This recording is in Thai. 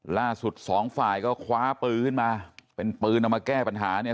ล่าสุดสองฝ่ายก็คว้าปืนมาเป็นปืนเอามาแก้ปัญหาเนี่ย